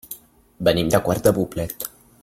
Venim de Quart de Poblet.